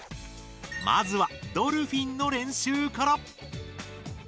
まずは「ドルフィン」の練習から。